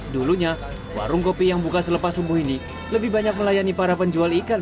dulunya warung kopi yang buka selepas subuh ini lebih banyak melayani para penjual ikan